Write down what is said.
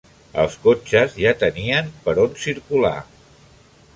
Els cotxes ja tenien per on circular.